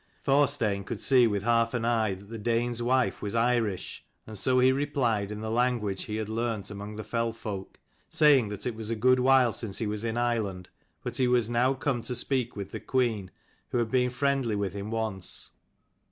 Thorstein could see with half an eye that the Dane's wife was Irish, and so he replied in the language he had learnt among the fell folk, saying that it was a good while since he was in Ireland, but he was now come to speak to the queen, who had been friendly with him once.